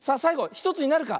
１つになるか？